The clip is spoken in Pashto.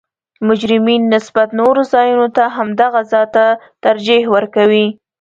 مجرمین نسبت نورو ځایونو ته همدغه ځا ته ترجیح ورکوي